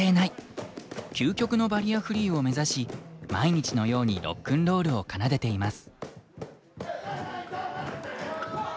究極のバリアフリーを目指し毎日のようにロックンロールを奏でています。